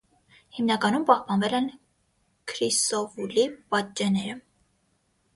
Հիմնականում պահպանվել են քրիսովուլի պատճենները։